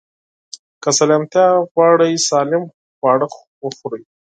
که سلامتيا غواړئ، سالم خواړه وخورئ.